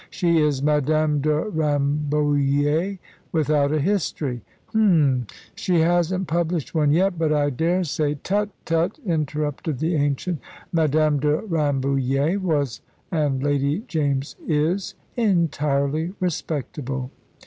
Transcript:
"She is Madame de Rambouillet without a history." "Hum! She hasn't published one yet, but I dare say " "Tut! tut!" interrupted the ancient. "Madame de Rambouillet was, and Lady James is, entirely respectable."